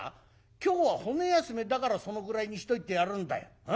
今日は骨休めだからそのぐらいにしといてやるんだよ。